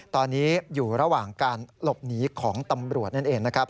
ตอนนี้อยู่ระหว่างการหลบหนีของตำรวจนั่นเองนะครับ